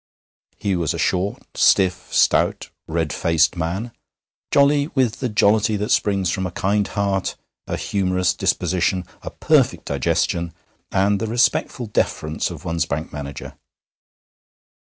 He was a short, stiff, stout, red faced man, jolly with the jollity that springs from a kind heart, a humorous disposition, a perfect digestion, and the respectful deference of one's bank manager.